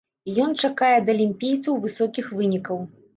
І ён чакае ад алімпійцаў высокіх вынікаў.